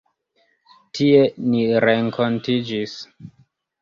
Tie ni renkontiĝis.